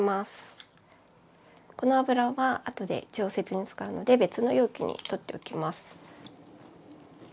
この油はあとで調節に使うので別の容器にとっておきます。